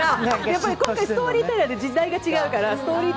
やっぱり今回ストーリーテラーで、時代が違うから。